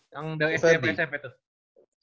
yang smp smp tuh